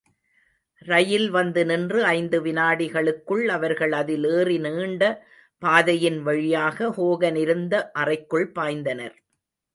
ரயில் வந்து நின்று ஐந்து வினாடிகளுக்குள் அவர்கள் அதில் ஏறி நீண்ட பாதையின் வழியாக ஹோகனிருந்த அறைக்குள் பாய்ந்தனர்.